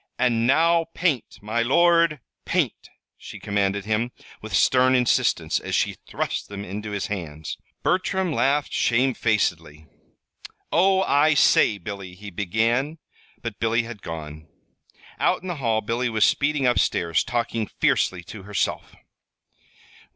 "And now paint, my lord, paint!" she commanded him, with stern insistence, as she thrust them into his hands. Bertram laughed shamefacedly. "Oh, I say, Billy," he began; but Billy had gone. Out in the hall Billy was speeding up stairs, talking fiercely to herself.